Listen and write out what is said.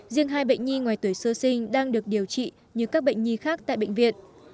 riêng hai bệnh nhi ngoài tuổi sơ sinh đang được điều trị như các bệnh nhi khác tại bệnh viện